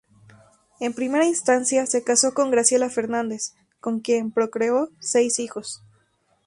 En primera instancia, se casó con Graciela Fernández, con quien procreó seis hijos.